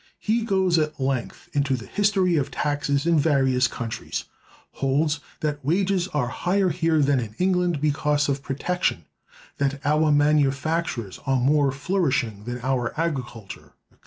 He goes at length into the history of taxes in various countries; holds that wages are higher here than in England because of protection; that our manufactures are more flourishing than our agriculture, etc.